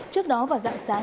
trước đó vào dạng sáng